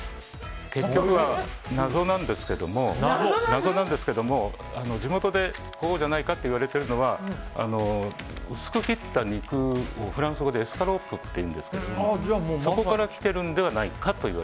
結局謎なんですけども、地元でこうじゃないかといわれているのは薄く切った肉をフランス語でエスカロープというんですけどまさにそうですね。